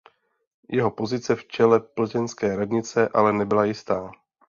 Jeho pozice v čele plzeňské radnice ale nebyla jistá.